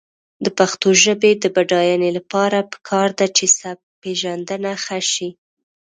د پښتو ژبې د بډاینې لپاره پکار ده چې سبکپېژندنه ښه شي.